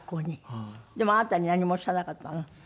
でもあなたに何もおっしゃらなかったの？